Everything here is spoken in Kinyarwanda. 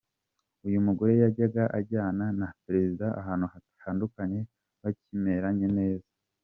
Uyu mugore yajyaga ajyana na Perezida ahantu hatandukanye bakimeranye neza.